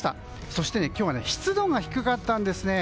そして今日は湿度が低かったんですね。